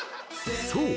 ［そう。